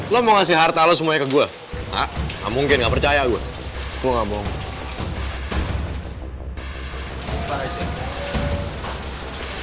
lo mau ngasih harta lo semuanya ke gua tak mungkin nggak percaya gue